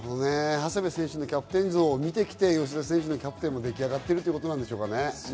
長谷部選手のキャプテン像を見てきて吉田選手のキャプテンも出来上がってることなんでしょうかね。